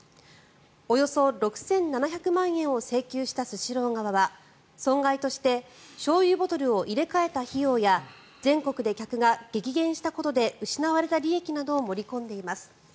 およそ６７００万円を請求したスシロー側は損害として、しょうゆボトルを入れ替えた費用や全国で客が激減したことで失われた利益などを盛り込んでいます。